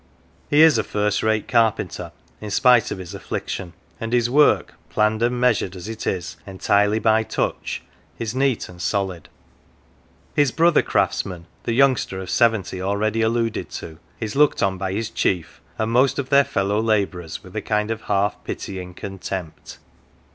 He is a first rate carpenter in spite of his affliction, and his work, planned and measured as it is entirely by touch, is neat and solid. His brother craftsman, the youngster of seventy already alluded to, is looked on by his chief, and most of their fellow labourers, with a kind of half pitying contempt.